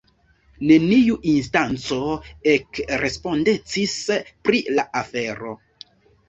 Neniu instanco ekrespondecis pri la afero.